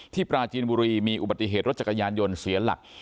ปราจีนบุรีมีอุบัติเหตุรถจักรยานยนต์เสียหลัก